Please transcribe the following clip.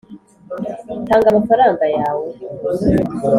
tanga amafaranga yawe